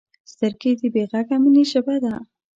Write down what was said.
سترګې د بې غږه مینې ژبه ده